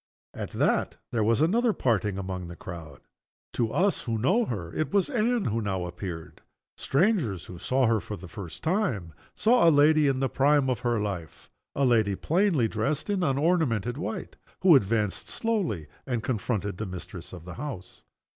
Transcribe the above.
At that there was another parting among the crowd. To us (who know her), it was Anne who now appeared. Strangers, who saw her for the first time, saw a lady in the prime of her life a lady plainly dressed in unornamented white who advanced slowly, and confronted the mistress of the house.